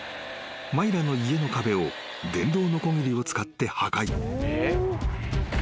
マイラの家の壁を電動のこぎりを使って破壊］